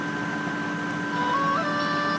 زه ليکنې نه کوم!